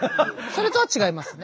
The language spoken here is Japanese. それとは違いますね？